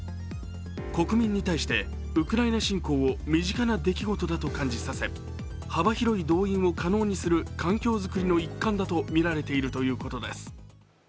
国民に対して、ウクライナ侵攻を身近な出来事だと感じさせ幅広い動員を可能にする環境づくりの一環だとみられているということです。